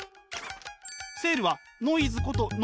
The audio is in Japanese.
セールはノイズこと